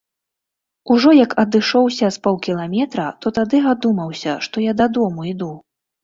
Ужо як адышоўся з паўкіламетра, то тады адумаўся, што я дадому іду.